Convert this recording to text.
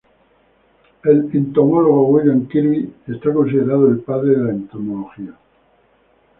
El entomólogo William Kirby es considerado el padre de la entomología.